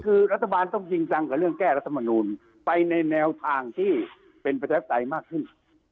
คือรัฐบาลต้องจริงจังกับเรื่องแก้รัฐมนูลไปในแนวทางที่เป็นประชาธิปไตยมากขึ้น